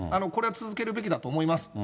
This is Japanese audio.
これは続けるべきだと思います。